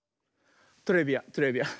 トレビアントレビアン。